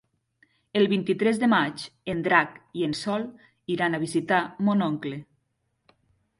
El vint-i-tres de maig en Drac i en Sol iran a visitar mon oncle.